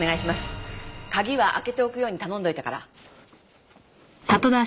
鍵は開けておくように頼んどいたから。